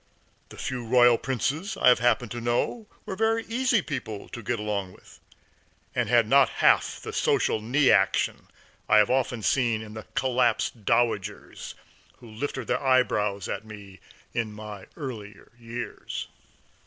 The few Royal Princes I have happened to know were very easy people to get along with, and had not half the social knee action I have often seen in the collapsed dowagers who lifted their eyebrows at me in my earlier years.